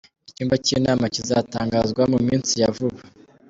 Icyumba cy’inama kizatangazwa mu minsi ya vuba.